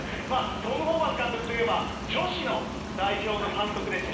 トム・ホーバス監督といえば女子の代表の監督でした。